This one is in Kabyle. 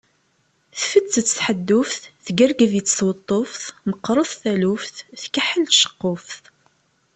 Tfettet tḥedduft, teggergeb-itt tweṭṭuft, meqret taluft, tkeḥḥel tceqquft.